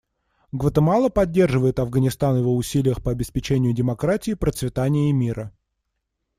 Гватемала поддерживает Афганистан в его усилиях по обеспечению демократии, процветания и мира.